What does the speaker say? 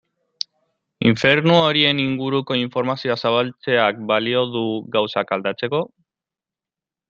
Infernu horien inguruko informazioa zabaltzeak balio du gauzak aldatzeko?